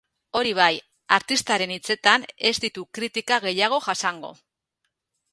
Hori bai, artistaren hitzetan, ez ditu kritika gehiago jasango.